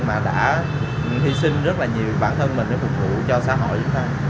mà đã hy sinh rất là nhiều bản thân mình để phục vụ cho xã hội chúng ta